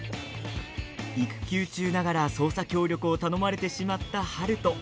育休中ながら捜査協力を頼まれてしまった春風。